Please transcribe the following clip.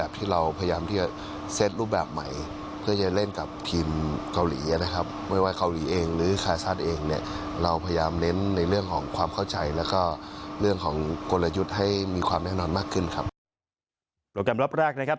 บางการรอบแรกนะครับ